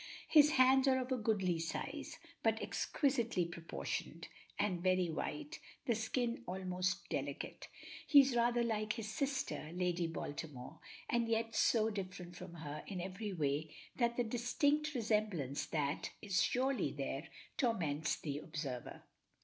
His hands are of a goodly size, but exquisitely proportioned, and very white, the skin almost delicate. He is rather like his sister, Lady Baltimore, and yet so different from her in every way that the distinct resemblance that is surely there torments the observer.